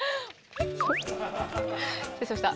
失礼しました。